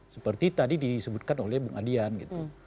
seperti tadi disebutkan oleh bung adian gitu